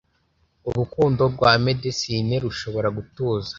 urukundo nta med'cine rushobora gutuza